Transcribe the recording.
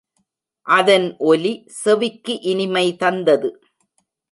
அதன் ஒலி செவிக்கு இனிமை தந்தது.